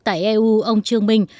tại eu ông trương minh